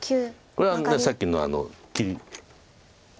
これはさっきの切り。